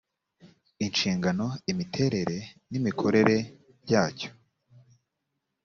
inshingano imiterere n imikorere byacyo